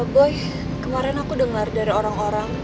boy kemarin aku dengar dari orang orang